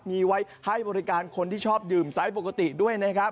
มีไว้ให้บริการคนที่ชอบดื่มไซส์ปกติด้วยนะครับ